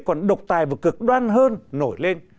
còn độc tài và cực đoan hơn nổi lên